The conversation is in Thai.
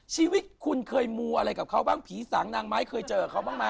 ชีวิตคุณเคยมูอะไรกับเขาบ้างผีสางนางไม้เคยเจอเขาบ้างไหม